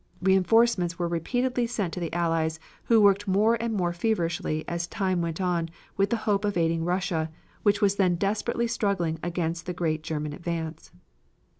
Reinforcements were repeatedly sent to the Allies, who worked more and more feverishly as time went on with the hope of aiding Russia, which was then desperately struggling against the great German advance.